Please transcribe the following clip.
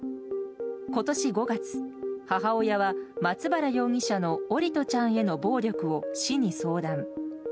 今年５月、母親は松原容疑者の桜利斗ちゃんへの暴力を市に相談。